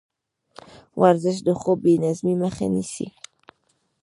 ورزش د خوب بېنظمۍ مخه نیسي.